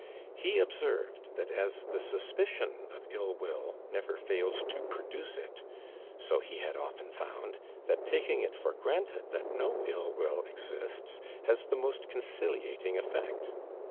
He observed, that 'as the suspicion of ill will never fails to produce it,' so he had often found, that taking it for granted that no ill will exists has the most conciliating effect.